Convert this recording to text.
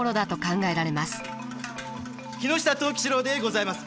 木下藤吉郎でございます。